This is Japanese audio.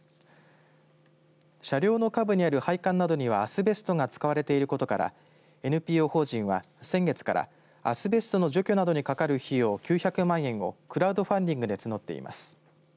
車両の下部にある配管などにはアスベストが使われていることからＮＰＯ法人は先月からアスベストの除去などにかかる費用９００万円をクラウドファンディングで募っています。